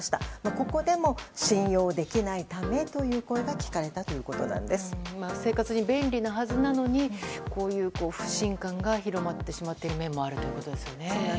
ここでも信用できないためという声が生活に便利なはずなのにこういう不信感が広まってしまっている面もあるということですよね。